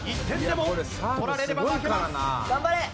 頑張れ！